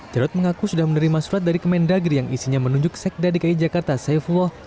jarod mengaku sudah menerima surat dari kemendagri yang isinya menunjuk sekda dki jakarta saifullah